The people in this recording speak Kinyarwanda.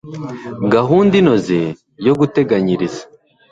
gahunda inoze yo guteganyiriza